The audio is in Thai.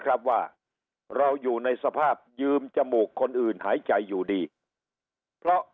ครับว่าเราอยู่ในสภาพยืมจมูกคนอื่นหายใจอยู่ดีเพราะ